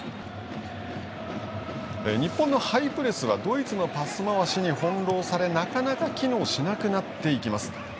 日本のハイプレスはドイツのパス回しに翻弄され、なかなか機能しなくなっていきます。